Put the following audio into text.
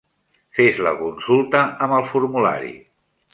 Fes la consulta amb el formulari.